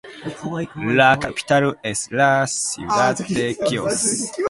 La capital es la ciudad de Quíos.